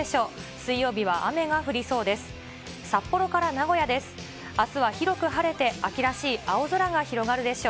水曜日は雨が降りそうです。